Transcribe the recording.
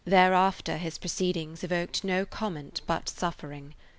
Thereafter his proceedings evoked no comment but suffering.